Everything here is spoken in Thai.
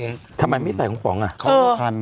อย่างจะไม่ใส่ลูกผงไหน